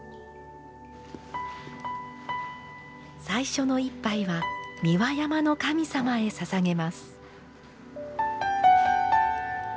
最初の一杯は三輪山の神様へささげます。